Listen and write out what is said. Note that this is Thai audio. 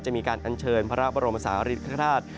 จะมีการอัญเชิญพระบรมศาหริริษฐธาตุ